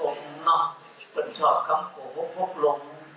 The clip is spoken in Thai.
ขอบคุณคำว่าชอบคำหัวหกนอมหกลงนอมเป็นชอบคำหัวหกหกลง